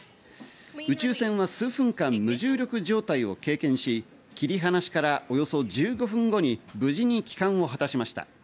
宇宙船は数分間、無重力状態を経験し、切り離しからおよそ１５分後に無事に帰還を果たしました。